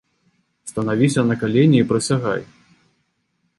Станавіся на калені і прысягай!